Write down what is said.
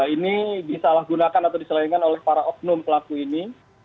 ini disalahgunakan atau diselenggara oleh para oknum pelaku ini